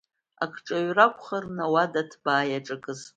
Акҿаҩра акәхарын ауада ҭбаа иаҿакыз.